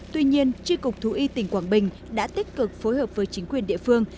tuy nhiên tri cục thú y tỉnh quảng bình đã tích cực phối hợp với chính quyền địa phương